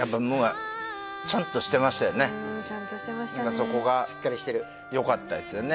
そこがしっかりしてるよかったですよね